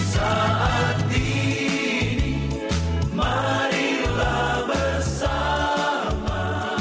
saat ini marilah bersama